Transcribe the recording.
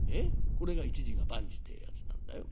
これが一事が万事ってえやつなんだよ。